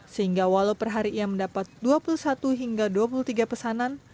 sehingga walau perhari ia mendapat dua puluh satu hingga dua puluh tiga pesanan